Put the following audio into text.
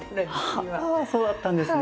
はあそうだったんですね！